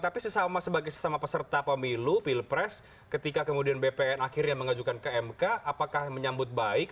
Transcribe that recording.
tapi sesama sebagai sesama peserta pemilu pilpres ketika kemudian bpn akhirnya mengajukan ke mk apakah menyambut baik